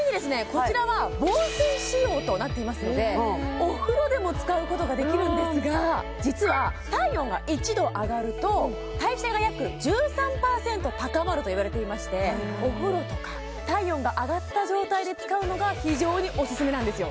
こちらは防水仕様となっていますのでお風呂でも使うことができるんですが実は体温が１℃上がると代謝が約１３％高まるといわれていましてお風呂とか体温が上がった状態で使うのが非常にオススメなんですよ